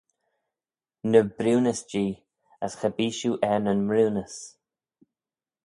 Ny briwnys-jee, as cha bee shiu er nyn mriwnys.